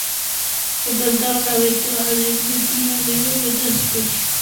Se plantaron abeto, alerce, pino negro y otras especies tanto locales como foráneas.